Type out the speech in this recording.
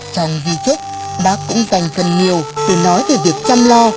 trần di trúc bác cũng dành cần nhiều để nói về việc chăm lo